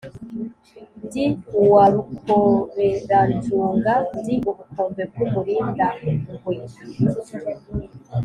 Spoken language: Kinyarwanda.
ndi uwa rukoreranjunga, ndi ubukombe bw'umurindangwe,